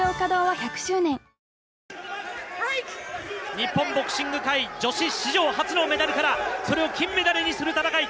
日本ボクシング界女子史上初のメダルからそれを金メダルにする戦い。